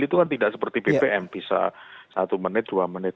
itu kan tidak seperti bpm bisa satu menit dua menit